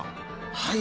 はい。